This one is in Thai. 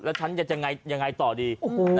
แล้วฉันจะยังไงต่อดี